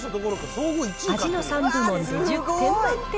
味の３部門で１０点満点。